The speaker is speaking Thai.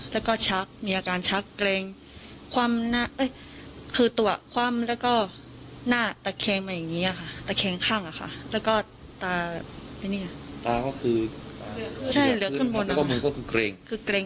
แล้วก็ชักมีอาการชักเกรงความน่ะคือตัวความแล้วก็หน้าแตะเครงมาอย่างนี้อ่ะค่ะแตะเครงข้างอ่ะค่ะแล้วก็ตาตาก็คือใช่เหลือขึ้นบนแล้วก็มึงก็คือเกรง